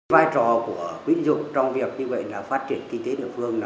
vai trò của quỹ tiến dụng trong việc như vậy là phát triển kinh tế địa phương